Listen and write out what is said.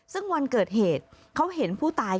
ซึ่งวันเกิดเหตุเขาเห็นผู้ตาย